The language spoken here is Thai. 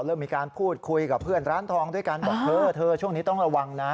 เริ่มมีการพูดคุยกับเพื่อนร้านทองด้วยกันบอกเธอเธอช่วงนี้ต้องระวังนะ